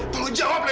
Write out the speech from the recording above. tolong jawab laini